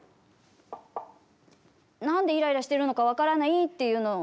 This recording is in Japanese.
なんでイライラしているのか分からないっていうの。